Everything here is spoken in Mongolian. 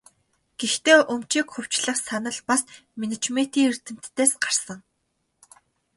Гэхдээ өмчийг хувьчлах санал бас менежментийн эрдэмтдээс гарсан.